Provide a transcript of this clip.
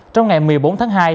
trong ngày một mươi bốn tháng hai